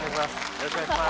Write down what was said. よろしくお願いします。